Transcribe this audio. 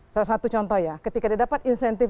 salah satu contoh ya ketika dia dapat insentif